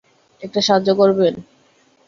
একটা সাহায্য করবেন?